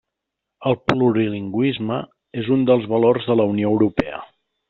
El plurilingüisme és un dels valors de la Unió Europea.